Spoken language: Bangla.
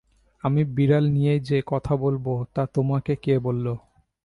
আমি বিড়াল নিয়েই যে কথা বলব, তা তোমাকে কে বলল?